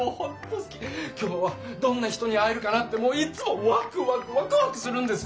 きょうはどんな人に会えるかなってもういつもワクワクワクワクするんですね。